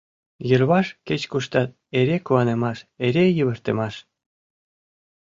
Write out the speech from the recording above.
Йырваш кеч-куштат эре куанымаш, эре йывыртымаш!..